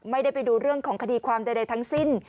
ไม่ได้ไปดูเรื่องของคดีความใดทั้งสิ้น